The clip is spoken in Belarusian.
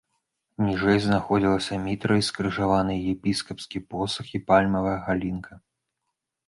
Ніжэй знаходзіліся мітра і скрыжаваныя епіскапскі посах і пальмавая галінка.